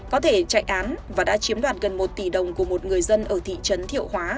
có thể chạy án và đã chiếm đoạt gần một tỷ đồng của một người dân ở thị trấn thiệu hóa